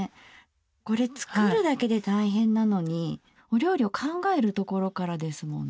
これ作るだけで大変なのにお料理を考えるところからですもんね。